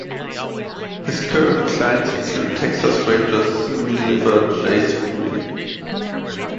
His current clients include Texas Rangers reliever Jason Grilli.